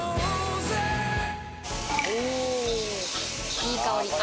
いい香り。